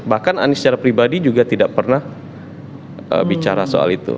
bahkan anies secara pribadi juga tidak pernah bicara soal itu